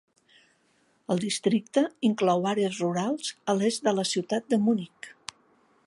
El districte inclou àrees rurals a l'est de la ciutat de Munich.